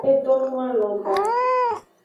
E donoalon ba.